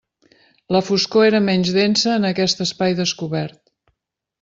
La foscor era menys densa en aquest espai descobert.